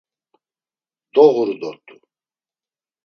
Doğuru dort̆u.